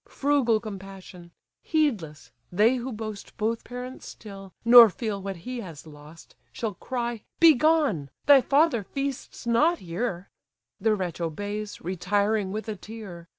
Frugal compassion! Heedless, they who boast Both parents still, nor feel what he has lost, Shall cry, 'Begone! thy father feasts not here:' The wretch obeys, retiring with a tear.